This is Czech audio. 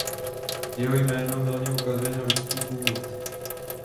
Jeho jméno mylně ukazuje na ruský původ.